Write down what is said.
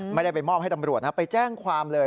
ไม่ได้ไปมอบให้ตำรวจนะไปแจ้งความเลย